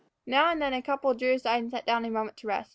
Now and then a couple drew aside and sat down a moment to rest.